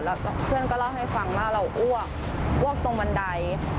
แล้วเพื่อนก็เล่าให้ฟังว่าเราอ้วกอ้วกตรงบันได